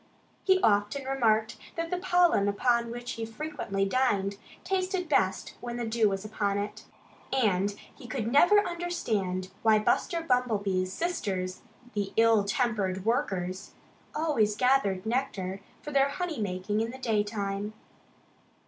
He often remarked that the pollen upon which he frequently dined tasted best when the dew was upon it. And he never could understand why Buster Bumblebee's sisters, the ill tempered workers, always gathered nectar for their honey making in the daytime.